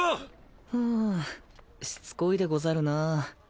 うんしつこいでござるな。